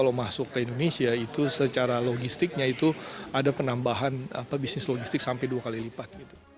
dan logistiknya itu ada penambahan bisnis logistik sampai dua kali lipat